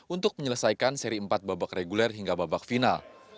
untuk menyelesaikan seri empat babak reguler hingga babak final